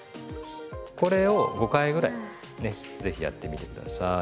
これを５回ぐらいね是非やってみて下さい。